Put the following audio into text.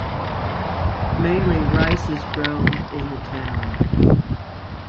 Mainly rice is grown in the town.